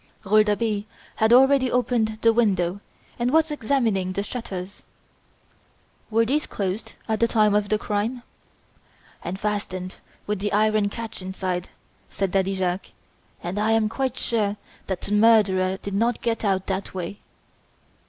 Rouletabille had already opened the window and was examining the shutters. "Were these closed at the time of the crime?" "And fastened with the iron catch inside," said Daddy Jacques, "and I am quite sure that the murderer did not get out that way."